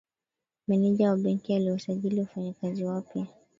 Meneja wa benki aliwasajili wafanyikazi wapya